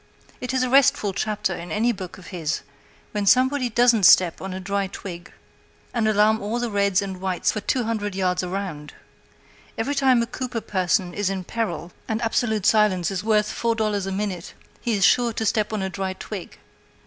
It is a restful chapter in any book of his when somebody doesn't step on a dry twig and alarm all the reds and whites for two hundred yards around. Every time a Cooper person is in peril, and absolute silence is worth four dollars a minute, he is sure to step on a dry twig.